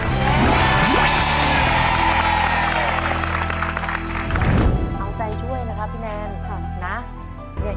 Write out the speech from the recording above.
กำลังใจช่วยนะครับพี่แนน